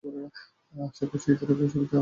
আশা করছি ঈদের আগেই ছবিতে আমার কাজ শেষ হয়ে যাবে।